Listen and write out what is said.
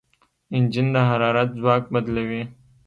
انجن د حرارت ځواک بدلوي.